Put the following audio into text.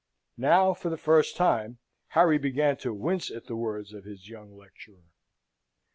Now, for the first time, Harry began to wince at the words of his young lecturer.